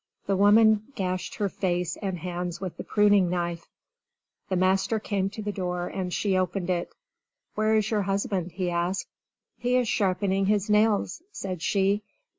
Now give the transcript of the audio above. The woman gashed her face and hands with the pruning knife. The master came to the door and she opened it. "Where is your husband?" he asked. "He is sharpening his nails," said she.